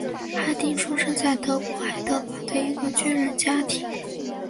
哈丁出生在德国海德堡的一个军人家庭。